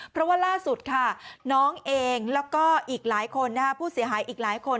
เพราะว่าล่าสุดค่ะน้องเองแล้วก็อีกหลายคนผู้เสียหายอีกหลายคน